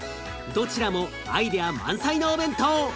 どちらもアイデア満載なお弁当。